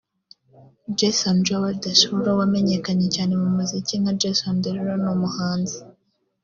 Jason Joel Desrouleaux wamenyekanye cyane mu muziki nka Jason Derulo ni umuhanzi